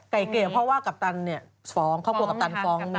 ไก่เกลี่ยเพราะว่ากัปตันฟ้องเขากลัวกัปตันฟ้อง